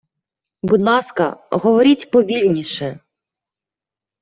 Будь ласка, говоріть повільніше.